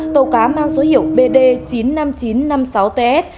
tàu cá mang số hiệu bd chín mươi năm nghìn chín trăm năm mươi sáu ts